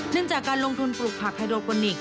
เนื่องจากการลงทุนปลูกผักไฮโดโปรนิกส์